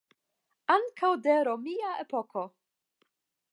Ankaŭ de romia epoko.